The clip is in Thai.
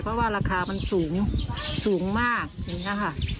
เพราะว่าราคามันสูงสูงมากอย่างนี้ค่ะ